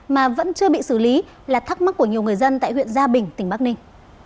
mà vẫn chưa bị xử lý là thắc mắc của nhiều người dân tại huyện gia bình tỉnh bắc ninh